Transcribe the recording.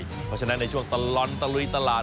เพราะฉะนั้นในช่วงตลอดตะลุยตลาด